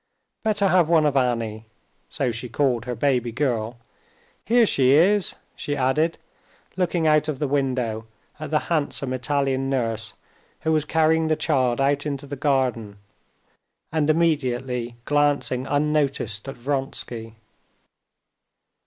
Better have one of Annie" (so she called her baby girl). "Here she is," she added, looking out of the window at the handsome Italian nurse, who was carrying the child out into the garden, and immediately glancing unnoticed at Vronsky.